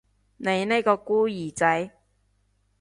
你呢個孤兒仔